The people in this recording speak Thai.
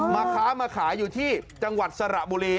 ค้ามาขายอยู่ที่จังหวัดสระบุรี